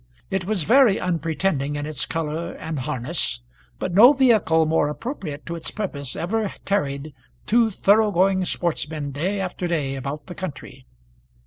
It was very unpretending in its colour and harness; but no vehicle more appropriate to its purpose ever carried two thorough going sportsmen day after day about the country.